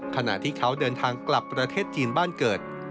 ขณะที่เขาเดินทางกลับประเทศจีนบ้านเกิด